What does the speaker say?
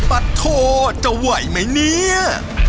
ปัดโทจะไหวไหมเนี่ย